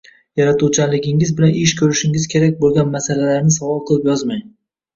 yaratuvchanligingiz bilan ish ko’rishingiz kerak bo’lgan masalalarni savol qilib yozmang